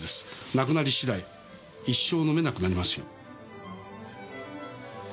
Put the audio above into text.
なくなり次第一生飲めなくなりますよ。